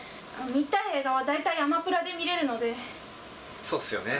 見たい映画は大体アマプラで見れるので。